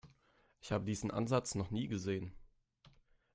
Ich habe diesen Ansatz noch nie gesehen.